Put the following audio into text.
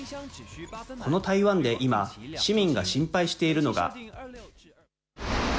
この台湾で今、市民が心配しているのが。